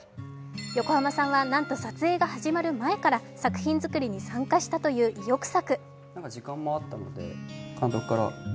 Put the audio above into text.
横浜さんはなんと撮影が始まる前から作品作りに参加したという意欲作。